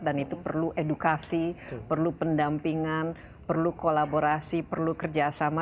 dan itu perlu edukasi perlu pendampingan perlu kolaborasi perlu kerja sama